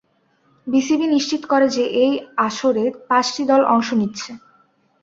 BCB নিশ্চিত করে যে, এই আসরে পাঁচটি দল অংশ নিচ্ছে।